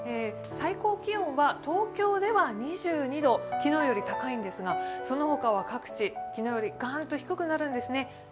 最高気温は東京では２２度、昨日より高いんですがその他は各地、昨日よりガーンと低くなるんですね。